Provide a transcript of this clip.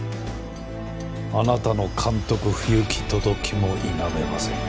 あなたの監督不行届も否めません。